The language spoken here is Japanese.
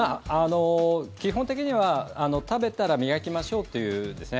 基本的には食べたら磨きましょうという。